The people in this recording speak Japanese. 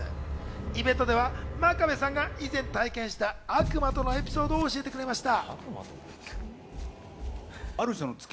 イベントでは真壁さんが以前、体験した悪魔とのエピソードを教えてくれました。